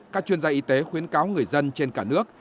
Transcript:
các chuyên gia y tế khuyến cáo người dân trên cả nước